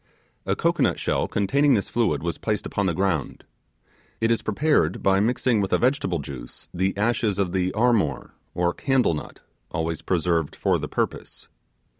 A cocoanut shell containing this fluid was placed upon the ground. It is prepared by mixing with a vegetable juice the ashes of the 'armor', or candle nut, always preserved for the purpose.